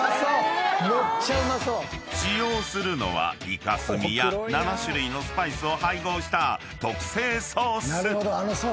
［使用するのはイカスミや７種類のスパイスを配合した特製ソース］